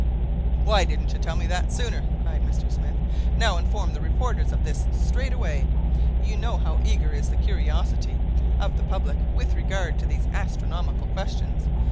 "Why didn't you tell me that sooner?" cried Mr. Smith. "Now inform the reporters of this straightway. You know how eager is the curiosity of the public with regard to these astronomical questions.